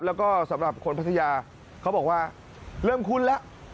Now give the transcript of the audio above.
แล้วก็สำหรับคนพัทยาเขาบอกว่าเริ่มคุ้นแล้ว